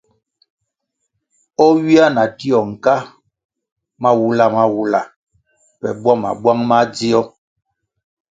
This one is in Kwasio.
O ywia na tio nka mawula mawula pe bwama bwang madzio,